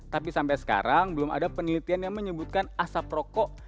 tapi sampai sekarang belum ada penelitian yang menyebutkan asap rokok